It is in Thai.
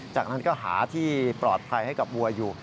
จากนั้นก็หาที่ปลอดภัยให้กับวัวอยู่